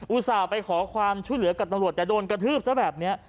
อุตส่าห์ไปขอความช่วยเหลือกับตำรวจแต่โดนกระทืบซะแบบนี้